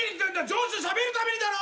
上司としゃべるためにだろ！？